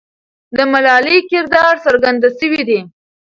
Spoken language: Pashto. د ملالۍ کردار څرګند سوی دی.